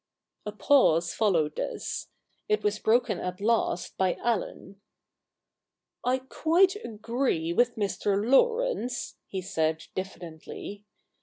A pause followed this. It was broken at last by Allen. * I quite agree with Mr. Laurence,' he said diffidently.